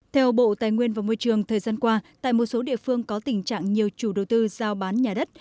theo bộ tài nguyên và môi trường thời gian qua tại một số địa phương có tình trạng nhiều chủ đầu tư giao bán nhà đất